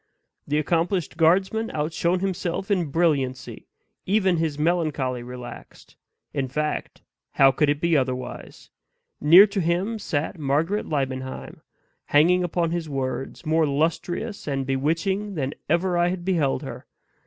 The accomplished guardsman outshone himself in brilliancy; even his melancholy relaxed. In fact, how could it be otherwise? near to him sat Margaret Liebenheim hanging upon his words more lustrous and bewitching than ever I had beheld her.